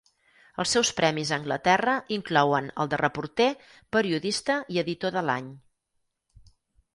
Els seus premis a Anglaterra inclouen el de reporter, periodista i editor de l'any.